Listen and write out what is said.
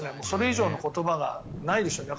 それ以上の言葉がないです。